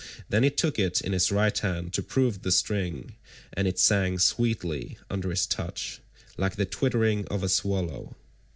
Then he took it in his right hand to prove the string, and it sang sweetly under his touch like the twittering of a swallow.